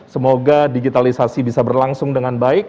semoga digitalisasi bisa berlangsung dengan baik